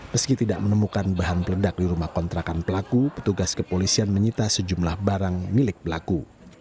meski tidak menemukan bahan peledak di rumah kontrakan pelaku petugas kepolisian menyita sejumlah barang milik pelaku